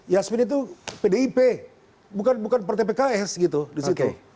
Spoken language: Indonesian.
yasmin itu pdip bukan pertempatan ks